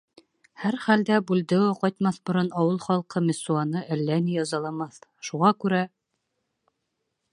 Һәр хәлдә, Бульдео ҡайтмаҫ борон ауыл халҡы Мессуаны әллә ни язаламаҫ, шуға күрә...